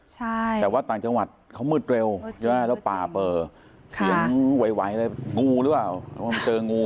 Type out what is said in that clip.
ใช่แต่ว่าต่างจังหวัดเขามืดเร็วแล้วป่าเปล่าเสียงไวงูหรือว่ามันเจองู